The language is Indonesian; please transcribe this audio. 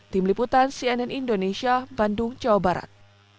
tim liputan cnn indonesia bandung jawa barat